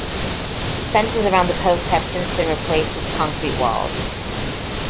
Fences around the post have since been replaced with concrete walls.